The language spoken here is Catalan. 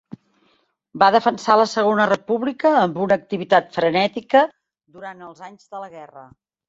Va defensar la Segona República amb una activitat frenètica durant els anys de la guerra.